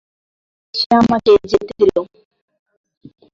তাই, সে আমাকে যেতে দিলো।